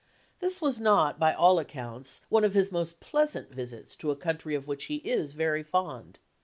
This was not, by all accounts, one of his most pleasant visits to a country of which he is very fond.